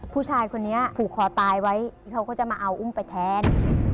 ผู้ชายคนนี้ผูกคอตายไว้เขาก็จะมาเอาอุ้มไปแทน